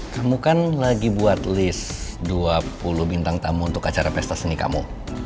kamu kan lagi buat list dua puluh bintang tamu untuk acara pesta seni kamu